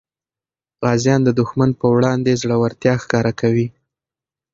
غازیان د دښمن په وړاندې زړورتیا ښکاره کوي.